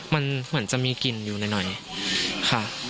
มันเหมือนจะมีกลิ่นอยู่หน่อยค่ะ